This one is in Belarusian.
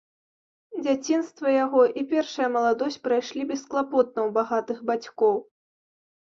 Дзяцінства яго і першая маладосць прайшлі бесклапотна ў багатых бацькоў.